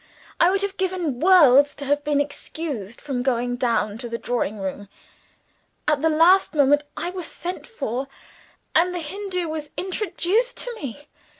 I would have given worlds to have been excused from going down into the drawing room. At the last moment I was sent for, and the Hindoo was introduced to me.